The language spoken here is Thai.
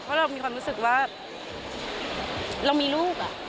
เพราะเรามีความรู้สึกว่าเรามีลูก